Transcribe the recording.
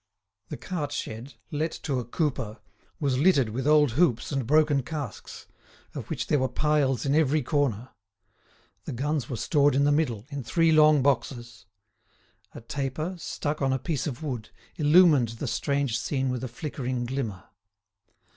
The cart shed, let to a cooper, was littered with old hoops and broken casks, of which there were piles in every corner. The guns were stored in the middle, in three long boxes. A taper, stuck on a piece of wood, illumined the strange scene with a flickering glimmer.